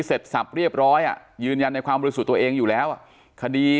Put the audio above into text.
เสร็จสรรพเรียบร้อยยืนยันในความรู้สึกตัวเองอยู่แล้วคดี